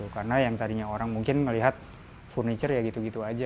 karena yang tadinya orang mungkin melihat furniture ya gitu gitu saja